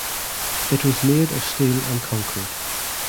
It was made of steel and concrete.